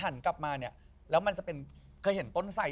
หล่อหันกลับมามันจากเป็นต้นไซด์